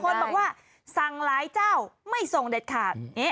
บางคนบอกว่าสั่งหลายเจ้าไม่ส่งฤทธิ์ขาด